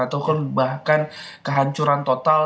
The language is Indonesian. ataupun bahkan kehancuran total